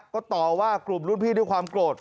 ก็ต่อว่ากลุ่มรุ่นพี่ด้วยความโกรธ